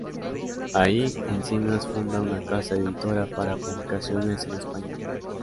Ahí, Encinas funda una casa editora para publicaciones en español.